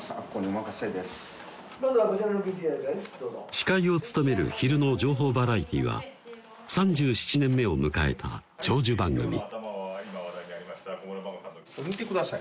司会を務める昼の情報バラエティーは３７年目を迎えた長寿番組見てください